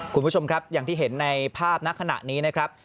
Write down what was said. คุณผู้ชมครับอย่างที่เห็นในภาพณขณะนี้นะครับ